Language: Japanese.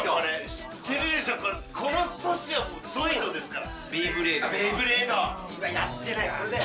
知ってるでしょ、この年はゾイドですから。